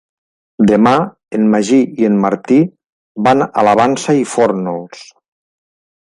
Demà en Magí i en Martí van a la Vansa i Fórnols.